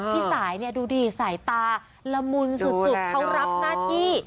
พี่สายเนี่ยดูดิสายตาละมุนสุดเขารับหน้าที่